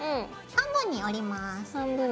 半分に折ります。